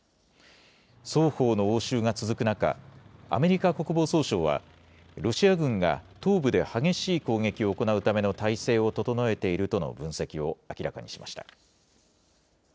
双方の応酬が続く中、アメリカ国防総省は、ロシア軍が東部で激しい攻撃を行うための態勢を整えているとの分析を明らかにしました。